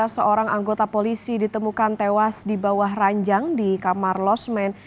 seorang anggota polisi ditemukan tewas di bawah ranjang di kamar losmen